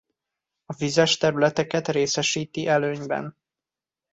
A vizes területeket részesíti előnyben.